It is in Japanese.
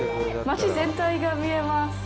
街全体が見えます。